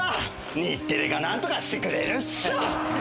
日テレがなんとかしてくれるっしょ。